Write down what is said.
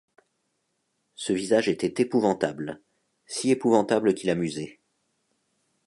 Ce visage était épouvantable, si épouvantable qu’il amusait.